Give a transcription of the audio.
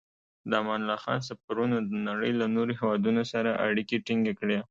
د امان الله خان سفرونو د نړۍ له نورو هېوادونو سره اړیکې ټینګې کړې.